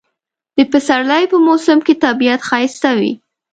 د پسرلی په موسم کې طبیعت ښایسته وي